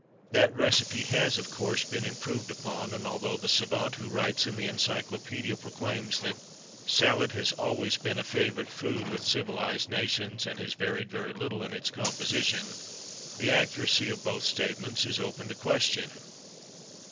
That recipe has, of course, been improved upon; and although the savant who writes in the Encyclopædia proclaims that "salad has always been a favourite food with civilised nations, and has varied very little in its composition," the accuracy of both statements is open to question.